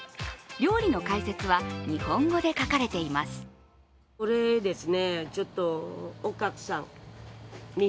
料理の解説は日本語で書かれています。